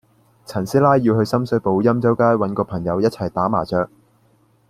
陳師奶要去深水埗欽州街搵個朋友一齊打麻雀